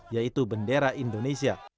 yaitu bendera indonesia